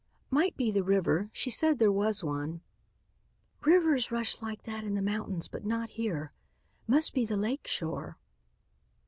"Might be the river. She said there was one." "Rivers rush like that in the mountains but not here. Must be the lake shore."